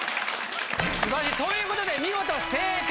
ということで見事正解！